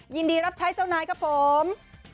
ยินดีรับใช้เจ้านายครับผม